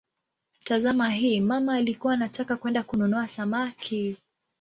Tazama hii: "mama alikuwa anataka kwenda kununua samaki".